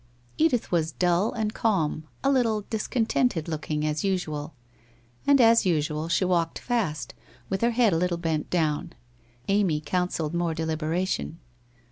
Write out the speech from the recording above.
Edith was dull and calm, a little discontented looking, as usual. And as usual she walked fast, with her head a little bent down. Amy counselled more deliberation.